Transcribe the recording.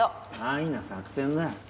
安易な作戦だよ。